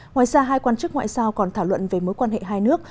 ngoài ra hai quan chức ngoại giao còn thảo luận về mối quan hệ hai nước